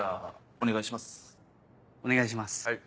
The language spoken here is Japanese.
お願いします！